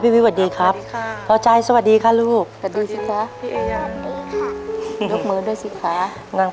ดูเธอถึงเดินใจเจ้าหลัง